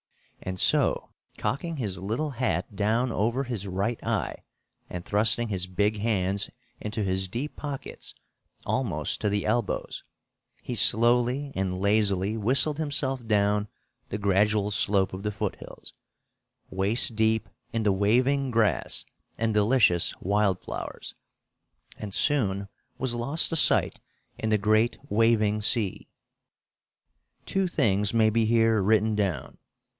And so, cocking his little hat down over his right eye and thrusting his big hands into his deep pockets almost to the elbows, he slowly and lazily whistled himself down the gradual slope of the foothills, waist deep in the waving grass and delicious wild flowers, and soon was lost to sight in the great waving sea. Two things may be here written down.